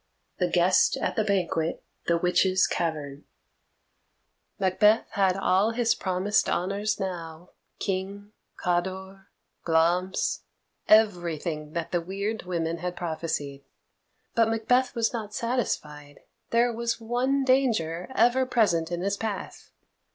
The Guest at the Banquet Macbeth had all his promised honours now King, Cawdor, Glamis everything that the weird women had prophesied. But Macbeth was not satisfied. There was one danger ever present in his path.